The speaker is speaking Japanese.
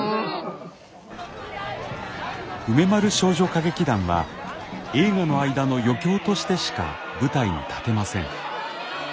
梅丸少女歌劇団は映画の間の余興としてしか舞台に立てません。